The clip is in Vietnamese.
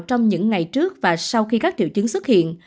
trong những ngày trước và sau khi các triệu chứng xuất hiện